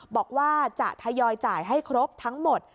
บอกว่าจะทยอยจ่ายให้ครบทั้งหมด